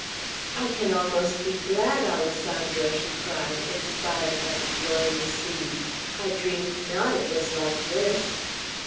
"I can almost be glad, Alessandro!" she cried, inspired by the glorious scene. "I dreamed not it was like this!"